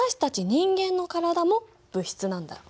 人間の体も物質なんだよ。